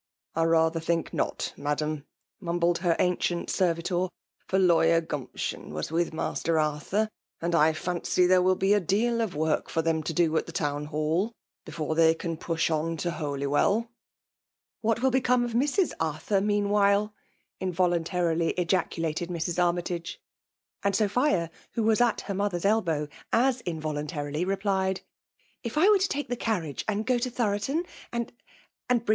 .<^ I rather think not, Madam,^' mumbled her ancient servitor, for Lawyer Gumption was wilH/Master Arthur, and I &ncy there will be ^^desA'oEirdrk for them to do at the Town Hatt, before they can push on to Holywell.*' ' J .^ What will become of Mrs. Arthur, mean* wluSfir nvoluntarily ejaculated Mrs. Army* And SopU^ who wa3 at her mother's elbow, M^ involuntarily replied, " If I were to take ifnA ioafriage, and go to Thoroton — and — and bnng.